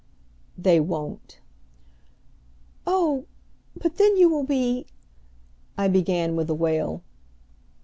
"They won't." "Oh, but then you will be " I began, with a wail.